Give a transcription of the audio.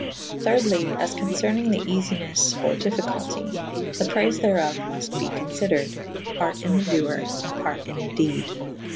Thyrdely as concernynge the easines or difificulti / the praife therof mufte be confydered / part in the doer / part in the dede.